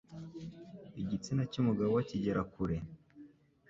igitsina cy'umugabo kigera kure